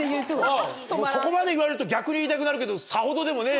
そこまで言われると逆に言いたくなるけど。